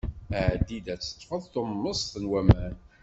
Ɛeddi-d ad d-teṭṭfeḍ tummeẓt n waman.